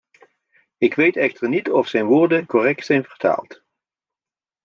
Ik weet echter niet of zijn woorden correct zijn vertaald.